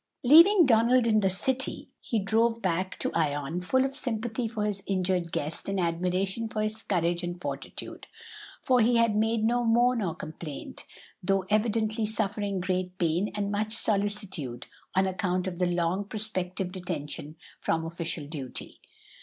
Leaving Donald in the city, he drove back to Ion full of sympathy for his injured guest and admiration for his courage and fortitude; for he had made no moan or complaint, though evidently suffering great pain and much solicitude on account of the long prospective detention from official duty.